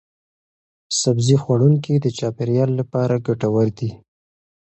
سبزي خوړونکي د چاپیریال لپاره ګټور دي.